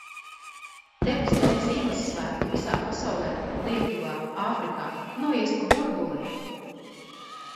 Tevis dēļ Ziemassvētki visā pasaulē, Lietuvā, Āfrikā, noies pa burbuli!